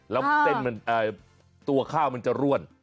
แล้วตัวข้าวมันจะร่วน